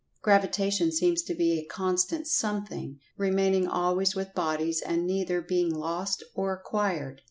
Gravitation seems to be a constant something, remaining always with bodies and neither being lost or acquired.